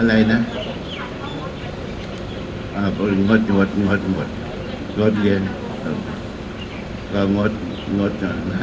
อะไรนะงดงดงดงดเรียนก็งดงด